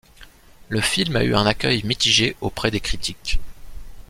Le film a eu un accueil mitigé auprès des critiques.